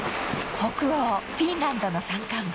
北欧フィンランドの山間部